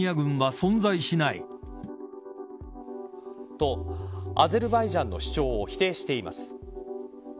と、アゼルバイジャンの主張を否定しています。